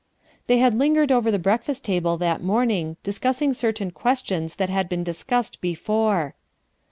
They had lingered over the breakfast tabic that morning, discussing certain questions that had been discussed before.